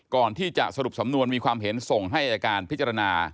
ก่อนที่จะสรุปสำนวนมีความเห็นส่งให้อายการพิจารณา